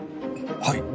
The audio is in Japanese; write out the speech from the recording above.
はい。